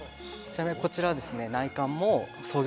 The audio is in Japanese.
ちなみにこちらはですねあっ